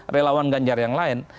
relawan ganjar yang lain